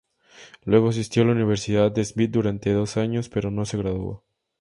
Luego asistió a la universidad de Smith durante dos años pero no se graduó.